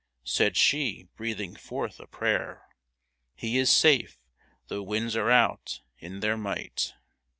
Said she, breathing forth a prayer, " He is safe, though winds are out In their might